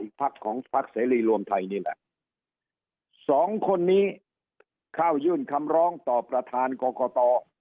พักของพักเสรีรวมไทยนี่แหละสองคนนี้เข้ายื่นคำร้องต่อประธานกรกต